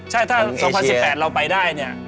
ใช่ถ้า๒๐๑๘เราไปได้เนี่ย